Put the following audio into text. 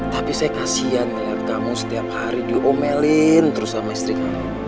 tapi saya kasian dengan kamu setiap hari diomelin terus sama istri kamu